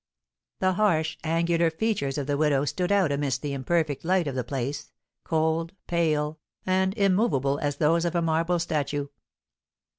The harsh, angular features of the widow stood out amidst the imperfect light of the place, cold, pale, and immovable as those of a marble statue.